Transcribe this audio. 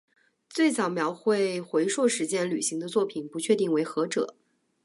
最早描绘回溯时间旅行的作品不确定为何者。